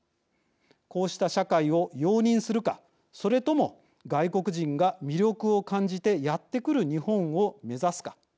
こうした社会を容認するかそれとも外国人が魅力を感じてやってくる日本を目指すか。